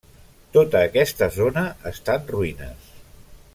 Tota aquesta zona està en ruïnes.